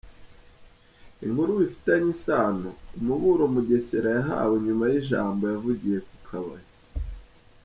Inkuru bifitanye isano:Umuburo Mugesera yahawe nyuma y’ijambo yavugiye ku Kabaya.